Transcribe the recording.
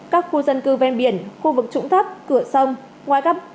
các khu dân cư bên biển khu vực trũng thấp cửa sông